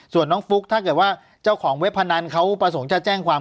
ส่วนน้องฟุ๊กถ้าเกิดว่าเจ้าของเว็บพนันเขาประสงค์จะแจ้งความ